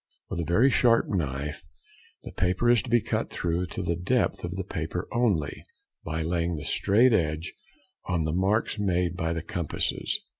With a very sharp knife the paper is to be cut through to the depth of the paper only, by laying the straight edge on the marks made by the compasses.